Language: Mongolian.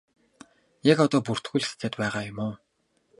Яг одоо бүртгүүлэх гээд байгаа юм уу?